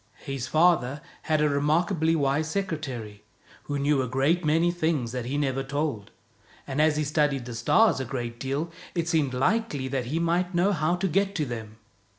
His father had a remarkably wise secretary, who knew a great many things that he never told, and as he studied the stars a great deal, it seemed likely that he might know how to get to them.